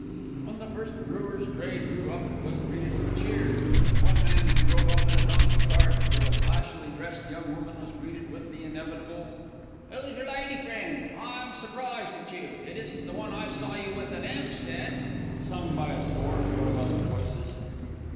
When the first brewers' dray drew up it was greeted with cheers, and one man who drove up in a donkey cart with a flashily dressed young woman was greeted with the inevitable: "Who's your lady friend? I am surprised at you, It isn't the one I saw you with at 'Ampstead," sung by a score of robust voices.